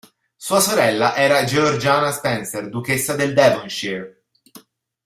Sua sorella era Georgiana Spencer, duchessa del Devonshire.